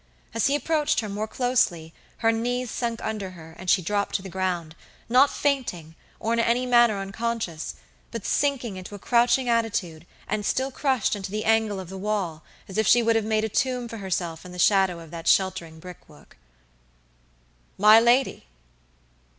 As he approached her more closely her knees sunk under her, and she dropped to the ground, not fainting, or in any manner unconscious, but sinking into a crouching attitude, and still crushed into the angle of the wall, as if she would have made a tomb for herself in the shadow of that sheltering brickwork. "My lady!"